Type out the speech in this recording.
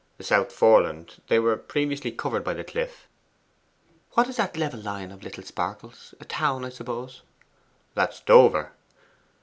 'The South Foreland: they were previously covered by the cliff.' 'What is that level line of little sparkles a town, I suppose?' 'That's Dover.